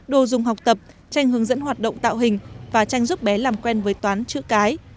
đồ dùng học tập tranh hướng dẫn hoạt động tạo hình và tranh giúp bé làm quen với toán chữ cái